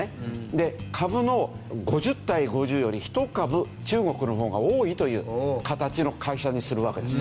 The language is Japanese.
で株の５０対５０より１株中国の方が多いという形の会社にするわけです。